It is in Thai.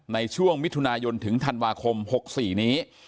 ในช่วงมิถุนายนถึงธันวาคม๖๔นี้